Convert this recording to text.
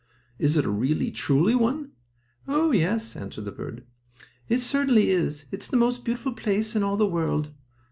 Is it a really, truly one?" "Oh, yes," answered the bird. "It certainly is. It is the most beautiful place in all the world.